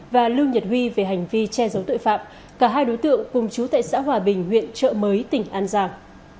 và lưu nhật huy về hành vi che giấu tội phạm cả hai đối tượng cùng chú tại xã hòa bình huyện trợ mới tỉnh an giang